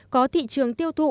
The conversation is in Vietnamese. có thị trường tiêu thụ